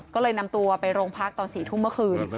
ก็เลยนำตัวไปโรงพักตอน๔ทุ่มเมื่อคืน